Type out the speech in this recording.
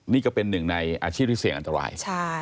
นี่ก็เป็นหนึ่งในอาชีพที่เสี่ยงอันตราย